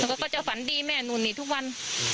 ก็จะฝันดีแม่นู่นนี่ทุกวัน